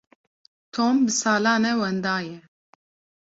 Tom bi salan e wenda ye.